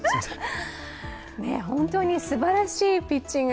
本当にすばらしいピッチング。